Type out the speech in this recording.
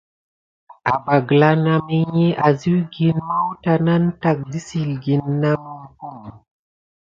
Abba gəla naməhi aziwgine mawta nane tack dəssilgəne na mompum.